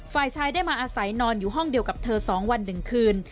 ฝ่ายชายได้มาอาศัยนอนอยู่ห้องเดียวกับเธอ๒วัน๑คืน